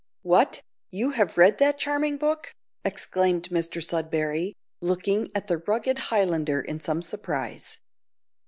"What, you have read that charming book?" exclaimed Mr Sudberry, looking at the rugged Highlander in some surprise.